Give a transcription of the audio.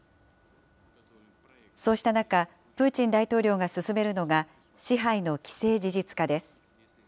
そうした中、プーチン大統領が進めるのが、支配の既成事実化です。